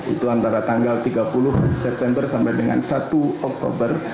itu antara tanggal tiga puluh september sampai dengan satu oktober